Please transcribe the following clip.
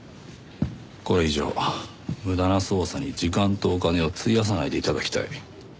これ以上無駄な捜査に時間とお金を費やさないで頂きたい。